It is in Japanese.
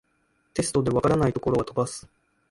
テストで解らないところは飛ばす